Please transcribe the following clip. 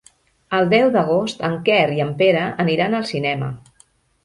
El deu d'agost en Quer i en Pere aniran al cinema.